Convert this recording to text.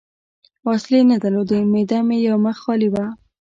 وسلې نه درلودې، معده مې یو مخ خالي وه.